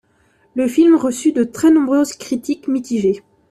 Le film reçut de très nombreuses critiques mitigées.